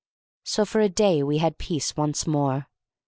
So for a day we had peace once more.